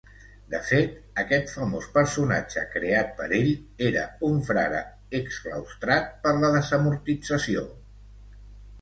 De fet, aquest famós personatge, creat per ell, era un frare exclaustrat per la desamortització.